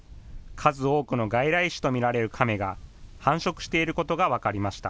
数多くの外来種と見られるカメが繁殖していることが分かりました。